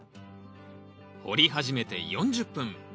掘り始めて４０分。